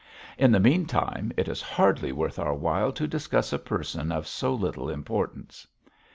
In the meantime, it is hardly worth our while to discuss a person of so little importance.'